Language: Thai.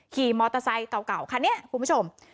ขี่มอเตอร์ไซค์เก่าเก่าค่ะเนี้ยคุณผู้ชม